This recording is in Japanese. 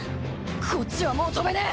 こっちはもう飛べねぇ。